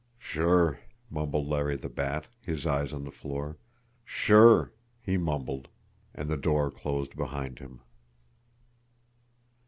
"Sure!" mumbled Larry the Bat, his eyes on the floor. "Sure!" he mumbled and the door closed behind him.